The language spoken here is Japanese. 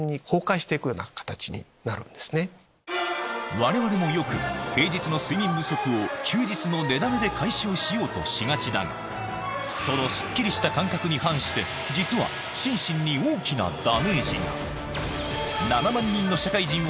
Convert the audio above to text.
我々もよく平日の睡眠不足を休日の寝だめで解消しようとしがちだがそのスッキリした感覚に反してこれを見ていただきますと。